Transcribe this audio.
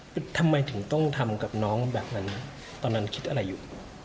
ทำไมถึงต้องทำกับน้องแบบนั้นตอนนั้นคิดอะไรอยู่